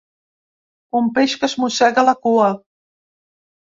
Un peix que es mossega la cua.